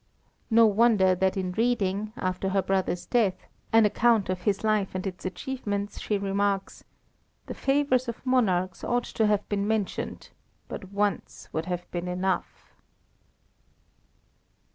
No wonder that in reading, after her brother's death, an account of his life and its achievements, she remarks, "The favours of monarchs ought to have been mentioned, but once would have been enough."